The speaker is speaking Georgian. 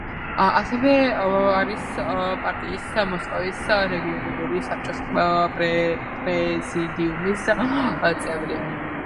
ასევე არის პარტიის მოსკოვის რეგიონალური საბჭოს პრეზიდიუმის წევრი.